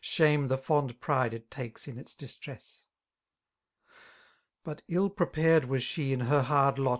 Shame the fond pride it takes in its distress ? 4. 5S But ill prepared was 8he> in her hard lot.